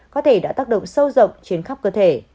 có thể đã tác động sâu rộng trên khắp cơ thể